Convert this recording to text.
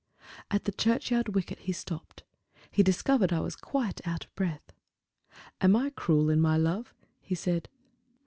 At the churchyard wicket he stopped; he discovered I was quite out of breath. "Am I cruel in my love?" he said.